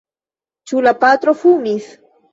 Ĉu la patro fumis?